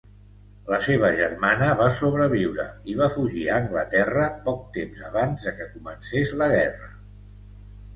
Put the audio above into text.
La seva germana va sobreviure i va fugir a Anglaterra poc temps abans de que comencés la guerra.